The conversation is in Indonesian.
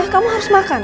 kamu harus makan